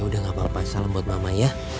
udah gak apa apa salam buat mama ya